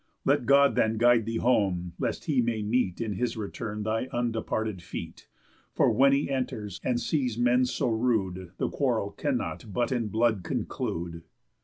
Let God then guide thee home, lest he may meet In his return thy undeparted feet; For when he enters, and sees men so rude, The quarrel cannot but in blood conclude."